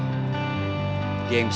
tunggu kita akan kembali